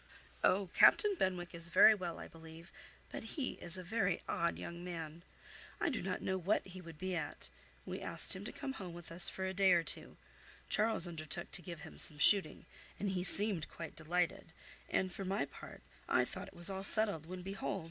"Oh! Captain Benwick is very well, I believe, but he is a very odd young man. I do not know what he would be at. We asked him to come home with us for a day or two: Charles undertook to give him some shooting, and he seemed quite delighted, and, for my part, I thought it was all settled; when behold!